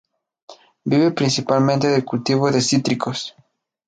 Vive principalmente del cultivo de cítricos.